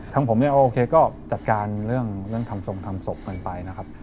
ทั้งผมก็จัดการเรื่องทำทรงทำศพกันไปนะครับ